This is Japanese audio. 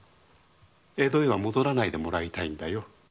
江戸へは戻らないでもらいたいんだよ。